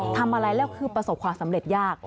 ทำอะไรแล้วคือประสบความสำเร็จยาก